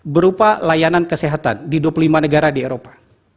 berupa layanan kesehatan di dua puluh lima negara di eropa